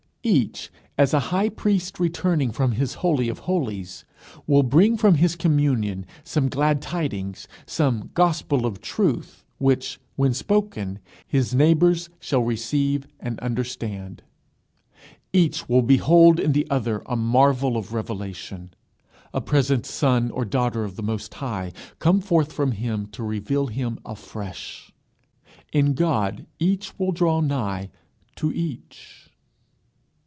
Each, as a high priest returning from his Holy of Holies, will bring from his communion some glad tidings, some gospel of truth, which, when spoken, his neighbours shall receive and understand. Each will behold in the other a marvel of revelation, a present son or daughter of the Most High, come forth from him to reveal him afresh. In God each will draw nigh to each.